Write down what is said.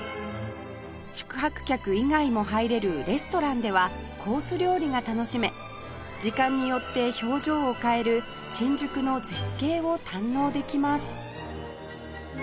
宿泊客以外も入れるレストランではコース料理が楽しめ時間によって表情を変える新宿の絶景を堪能できます